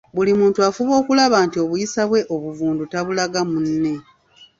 Buli muntu afuba okulaba nti obuyisa bwe obuvundu tabulaga mu munne.